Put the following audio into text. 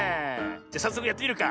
じゃさっそくやってみるか。